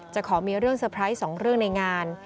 ขอมีเรื่องเตอร์ไพรส์๒เรื่องในงาน